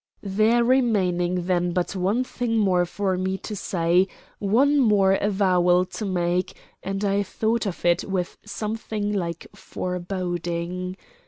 There remained then but one thing more for me to say, one more avowal to make, and I thought of it with something like foreboding.